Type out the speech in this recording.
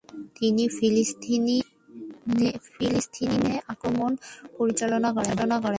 তিনি ফিলিস্তিনে আক্রমণ পরিচালনা করেন।